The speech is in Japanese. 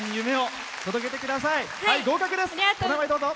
お名前、どうぞ。